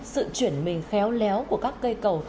sự chuyển mình khéo léo của các cây cầu